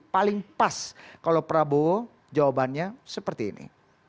paling pas kalau prabowo jawabannya seperti ini